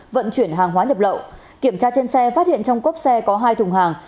vận chuyển hàng hóa nhập lậu kiểm tra trên xe phát hiện trong cốp xe có hai thùng hàng